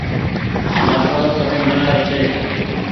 لآٻآرو ڪرين جآري ڇي۔